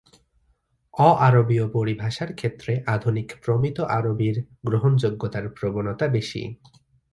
অ-আরবিয় পরিভাষার ক্ষেত্রে আধুনিক প্রমিত আরবির গ্রহণযোগ্যতার প্রবণতা বেশি।